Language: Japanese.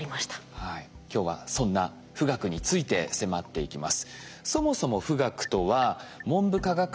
今日はそんな富岳について迫っていきます。